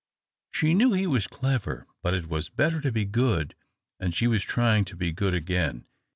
She knew he was clever, but it was better to be good, and she was trying to be good again.